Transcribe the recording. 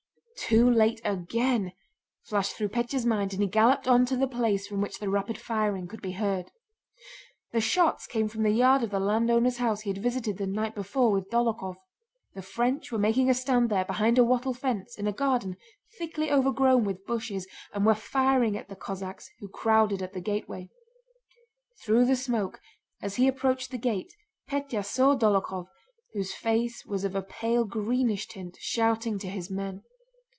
"Too late again!" flashed through Pétya's mind and he galloped on to the place from which the rapid firing could be heard. The shots came from the yard of the landowner's house he had visited the night before with Dólokhov. The French were making a stand there behind a wattle fence in a garden thickly overgrown with bushes and were firing at the Cossacks who crowded at the gateway. Through the smoke, as he approached the gate, Pétya saw Dólokhov, whose face was of a pale greenish tint, shouting to his men.